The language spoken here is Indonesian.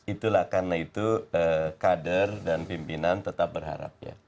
itulah karena itu kader dan pimpinan tetap berharap ya